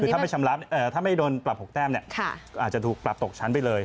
ถ้าไม่โดนปรับ๖แต้มอาจจะถูกปรับตกชั้นไปเลย